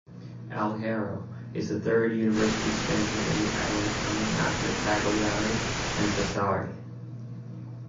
Alghero is the third university center in the island, coming after Cagliari and Sassari.